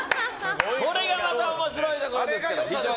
これがまた面白いところですけども。